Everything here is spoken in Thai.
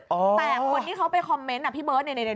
แต่คนที่เขาไปคอมเมนต์น่ะพี่เมิ๊ส